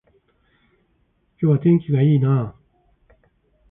今日は天気が良いなあ